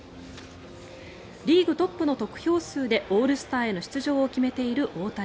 リーグトップの得票数でオールスターへの出場を決めている大谷。